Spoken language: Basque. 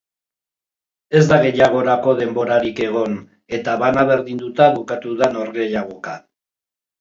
Ez da gehiagorako denborarik egon, eta bana berdinduta bukatu da norgehiagoka.